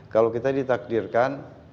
kalau kita ditakdirkan